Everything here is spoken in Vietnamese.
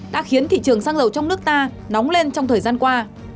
đã khiến thị trường xăng dầu trong nước ta nóng lên trong thời gian qua